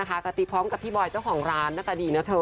แล้วกันนั้นกะติ๊บพร้อมกับพี่บอยเจ้าของร้านน่าจะดีนะเถอะ